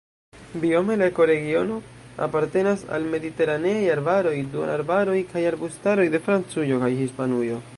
Biome la ekoregiono apartenas al mediteraneaj arbaroj, duonarbaroj kaj arbustaroj de Francujo kaj Hispanujo.